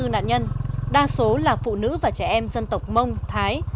ba mươi bốn nạn nhân đa số là phụ nữ và trẻ em dân tộc mông thái